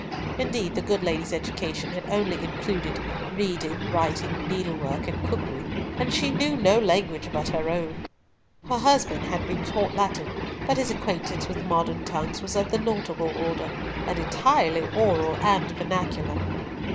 Indeed, the good lady's education had only included reading, writing, needlework and cookery, and she knew no language but her own. Her husband had been taught Latin, but his acquaintance with modern tongues was of the nautical order, and entirely oral and vernacular.